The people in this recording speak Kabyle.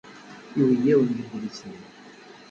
Yewwi-awen-d adlis-nni.